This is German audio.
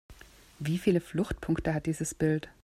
Wie viele Fluchtpunkte hat dieses Bild?